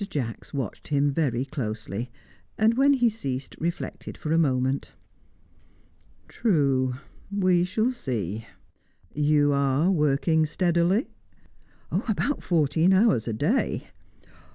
Jacks watched him very closely, and, when he ceased, reflected for a moment. "True; we shall see. You are working steadily?" "About fourteen hours a day."